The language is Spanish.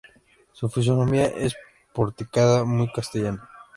Su fisonomía es porticada, muy castellana.